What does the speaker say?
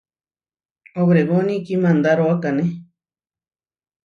Obregón kimandaróakane.